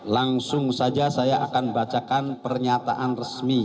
langsung saja saya akan bacakan pernyataan resmi